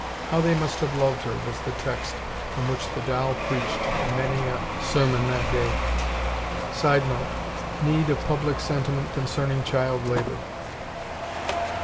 "How they must have loved her!" was the text from which the doll preached many a sermon that day. [Sidenote: Need of public sentiment concerning child labor.